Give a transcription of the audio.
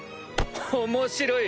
面白い！